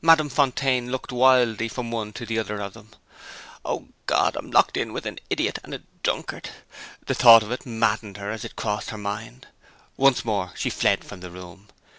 Madame Fontaine looked wildly from one to the other of them. "Oh, God, I'm locked in with an idiot and a drunkard!" The thought of it maddened her as it crossed her mind. Once more, she fled from the room.